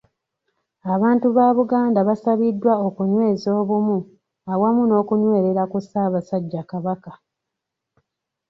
Abantu ba Buganda basabiddwa okunyweza obumu awamu n’okunywerera ku Ssaabasajja Kabaka.